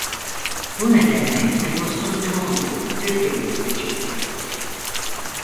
Bu nedenle nüfusun çoğunluğu Türkiyeye göç etti.